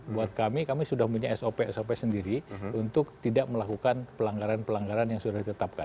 buat kami kami sudah punya sop sop sendiri untuk tidak melakukan pelanggaran pelanggaran yang sudah ditetapkan